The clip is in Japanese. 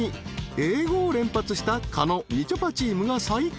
［英語を連発した狩野・みちょぱチームが最下位］